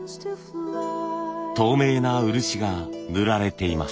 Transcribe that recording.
透明な漆が塗られています。